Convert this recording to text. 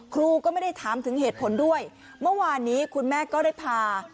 ครูก็ไม่ได้ถามถึงเหตุผลด้วยเมื่อวานนี้คุณแม่ก็ได้พา